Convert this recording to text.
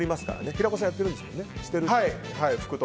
平子さんやってるんですよね。